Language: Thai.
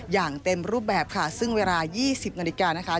อย่างเต็มรูปแบบซึ่งเวลา๒๐นาฬิกา